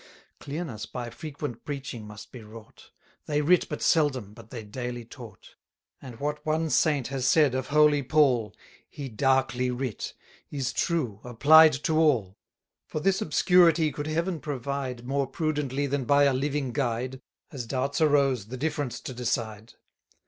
Clearness by frequent preaching must be wrought: They writ but seldom, but they daily taught. And what one saint has said of holy Paul, "He darkly writ," is true, applied to all. For this obscurity could Heaven provide More prudently than by a living guide, As doubts arose, the difference to decide?